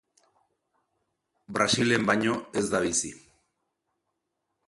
Brasilen baino ez da bizi.